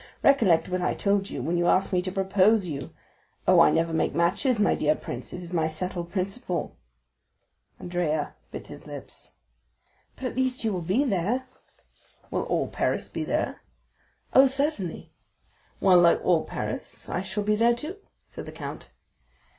Recollect what I told you when you asked me to propose you. 'Oh, I never make matches, my dear prince, it is my settled principle.'" Andrea bit his lips. 50025m "But, at least, you will be there?" "Will all Paris be there?" "Oh, certainly." "Well, like all Paris, I shall be there too," said the count.